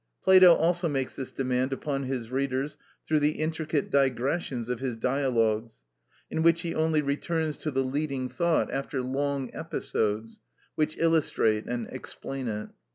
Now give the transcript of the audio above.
Plato also makes this demand upon his readers through the intricate digressions of his dialogues, in which he only returns to the leading thought after long episodes, which illustrate and explain it.